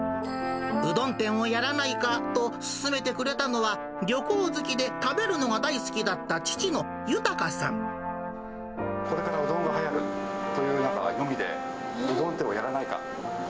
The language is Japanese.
うどん店をやらないか？と勧めてくれたのは、旅行好きで食べこれからうどんがはやるという読みで、うどん店をやらないか？